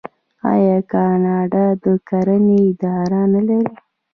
آیا کاناډا د کرنې اداره نلري؟